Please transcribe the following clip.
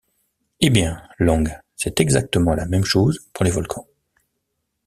Eh bien, Long, c’est exactement la même chose pour les volcans.